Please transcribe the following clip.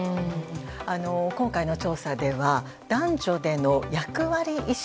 今回の調査では男女での役割意識